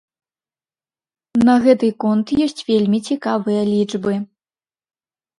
На гэты конт ёсць вельмі цікавыя лічбы.